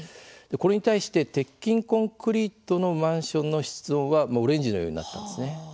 これに対して鉄筋コンクリートのマンションの室温はオレンジのようになっていますね。